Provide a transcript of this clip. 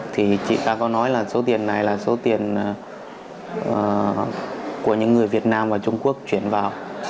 thì chị ta có nói là số tiền này là số tiền của những người việt nam và trung quốc chuyển vào